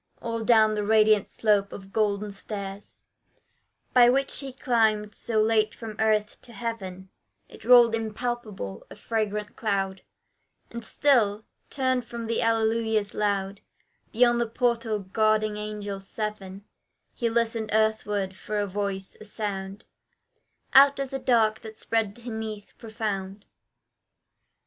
All down the radiant slope of golden stairs, By which he climbed so late from earth to heaven, It rolled impalpable a fragrant cloud; And still, turned from the Alleluias loud, Beyond the portal guarding angels seven, He listened earthward, for a voice a sound Out of the dark that spread beneath profound.